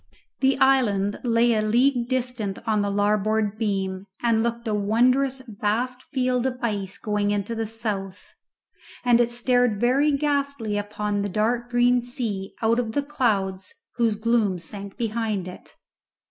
The island lay a league distant on the larboard beam, and looked a wondrous vast field of ice going into the south, and it stared very ghastly upon the dark green sea out of the clouds whose gloom sank behind it.